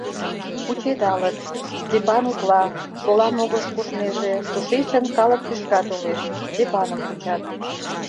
Кучедалыт, Степан утла, шола могырыш куржнеже, тушечын калык тӱшка толеш, Степаным кучат.